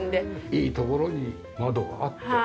いいところに窓があって。